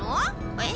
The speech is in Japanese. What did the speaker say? えっ？